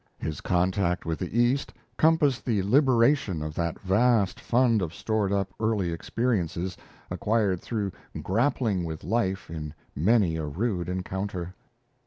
His contact with the East compassed the liberation of that vast fund of stored up early experiences, acquired through grappling with life in many a rude encounter.